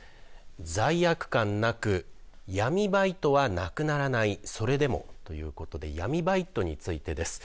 罪悪感なく闇バイトはなくならないそれでもということで闇バイトについてです。